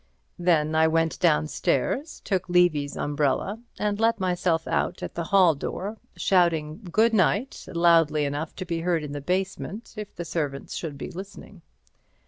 Then I went downstairs, took Levy's umbrella, and let myself out at the hall door, shouting "Good night" loudly enough to be heard in the basement if the servants should be listening.